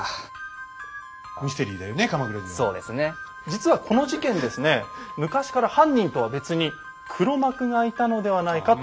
実はこの事件ですね昔から犯人とは別に黒幕がいたのではないかと言われていたんです。